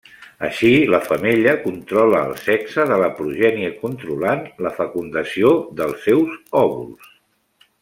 Així, la femella controla el sexe de la progènie controlant la fecundació dels seus òvuls.